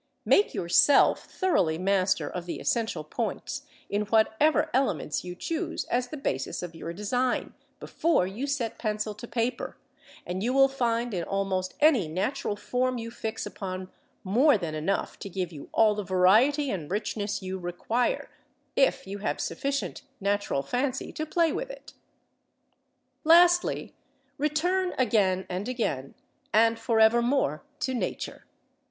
Make yourself thoroughly master of the essential points, in whatever elements you choose as the basis of your design, before you set pencil to paper; and you will find in almost any natural form you fix upon more than enough to give you all the variety and richness you require, if you have sufficient natural fancy to play with it. Lastly: return again and again, and for evermore, to Nature.